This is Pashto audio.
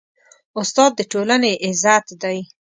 استاد د ټولنې عزت دی.